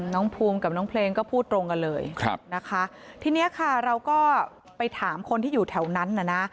น้องภูมิกับน้องเพลงก็พูดตรงกันเลยนะคะทีนี้ค่ะเราก็ไปถามคนที่อยู่แถวนั้นน่ะนะ